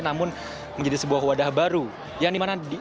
namun menjadi sebuah wadah baru yang dimana dapat dimanfaatkan